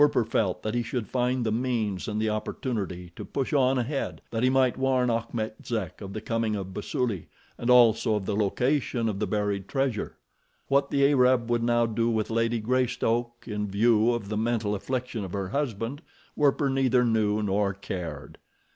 Werper felt that he should find the means and the opportunity to push on ahead, that he might warn Achmet Zek of the coming of Basuli, and also of the location of the buried treasure. What the Arab would now do with Lady Greystoke, in view of the mental affliction of her husband, Werper neither knew nor cared.